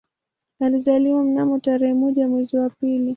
Alizaliwa mnamo tarehe moja mwezi wa pili